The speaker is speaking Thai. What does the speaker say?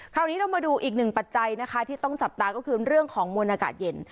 เรามาดูอีกหนึ่งปัจจัยนะคะที่ต้องจับตาก็คือเรื่องของมวลอากาศเย็น